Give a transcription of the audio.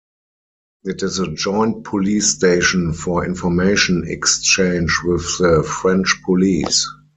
It is a joint police station for information exchange with the French police.